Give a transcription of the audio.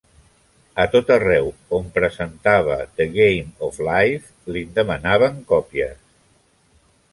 A tot arreu on presentava "The Game of Life", li'n demanaven còpies.